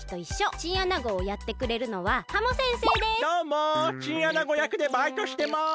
チンアナゴやくでバイトしてます。